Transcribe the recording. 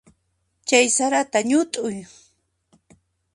Chay sarata ñut'uy.